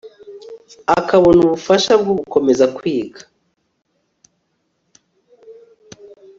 akabona ubufasha bwo gukomeza kwiga